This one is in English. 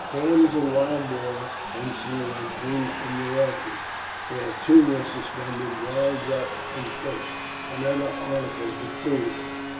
Hams of wild boar and swine hung from the rafters, where too were suspended wild duck and fish, and other articles of food.